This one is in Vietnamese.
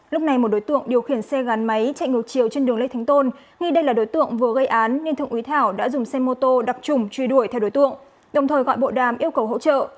lúc này một đối tượng điều khiển xe gắn máy chạy ngược chiều trên đường lê thánh tôn nghi đây là đối tượng vừa gây án nên thượng úy thảo đã dùng xe mô tô đặc trùng truy đuổi theo đối tượng đồng thời gọi bộ đàm yêu cầu hỗ trợ